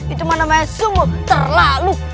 itu mana namanya sungguh terlalu